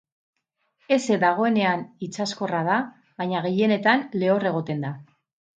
Heze dagoenean itsaskorra da, baina gehienetan lehor egoten da.